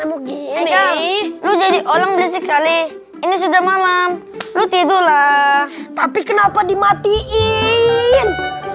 begini lu jadi orang berisik kali ini sudah malam lu tidur lah tapi kenapa dimatiin